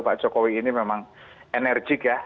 pak jokowi ini memang enerjik ya